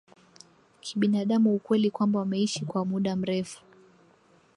kibinadamu Ukweli kwamba wameishi kwa muda mrefu